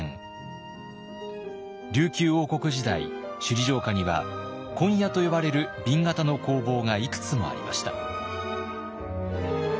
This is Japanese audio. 琉球王国時代首里城下には紺屋と呼ばれる紅型の工房がいくつもありました。